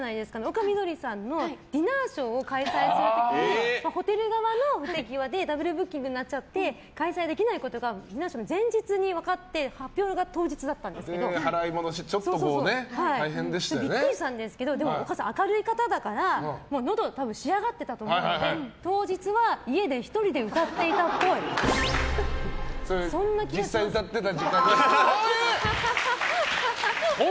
丘みどりさんのディナーショーを開催する時にホテル側の不手際でダブルブッキングになっちゃって開催できないことがディナーショーの前日に分かって発表が当日だったんですけど丘さん明るい方だからのど、仕上がってたと思うので当日は家で１人で実際に歌っていた？